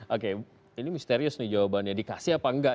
oke ini misterius nih jawabannya dikasih apa enggak